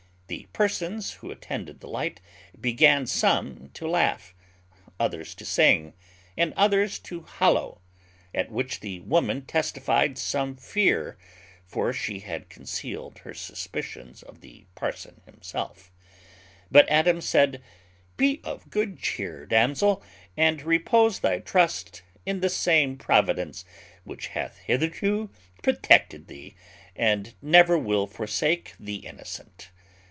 The persons who attended the light began some to laugh, others to sing, and others to hollow, at which the woman testified some fear (for she had concealed her suspicions of the parson himself); but Adams said, "Be of good cheer, damsel, and repose thy trust in the same Providence which hath hitherto protected thee, and never will forsake the innocent."